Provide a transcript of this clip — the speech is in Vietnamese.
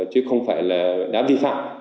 chứ không phải là đám vi phạm